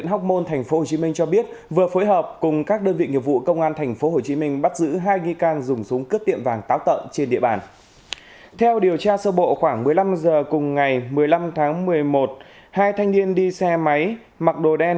sau bộ khoảng một mươi năm h cùng ngày một mươi năm tháng một mươi một hai thanh niên đi xe máy mặc đồ đen